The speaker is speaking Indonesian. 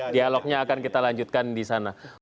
dialognya akan kita lanjutkan di sana